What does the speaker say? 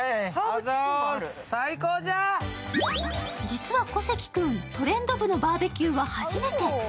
実は小関君、トレンド部のバーベキューは初めて。